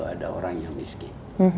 ada orang yang miskin